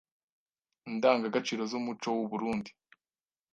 ndangagaciro z’umuco w’u Burunndi